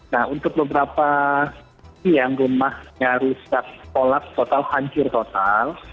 nah untuk beberapa yang rumahnya rusak kolak total hancur total